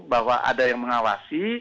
bahwa ada yang mengawasi